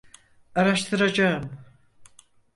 Araştıracağım.